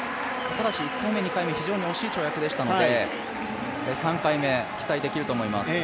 ただし、１回目、２回目、非常に惜しい跳躍でしたので、３回目期待できると思います。